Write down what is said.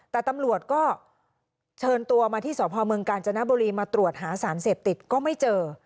แต่ตำรวจก็เชิญตัวมาที่สพเมืองกาญจนบุรีมาตรวจหาสารเสพติดก็ไม่เจอ